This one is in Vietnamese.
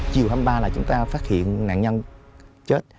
chiều hai mươi ba là chúng ta phát hiện nạn nhân chết